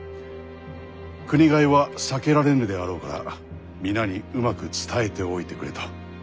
国替えは避けられぬであろうから皆にうまく伝えておいてくれと。